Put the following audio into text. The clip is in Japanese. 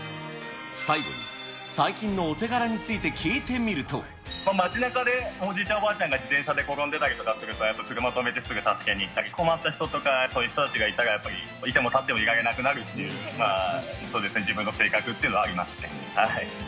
最後に、最近のお手柄につい街なかでおじいちゃん、おばあちゃんが自転車で転んでたりすると、車止めてすぐ助けに行ったり、困った人とか、そういう人たちがいると、居ても立ってもいられなくなるという、自分の性格っていうのはありますね。